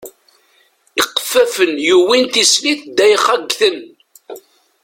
Iqeffafen yuwin tislit ddayxa ggten.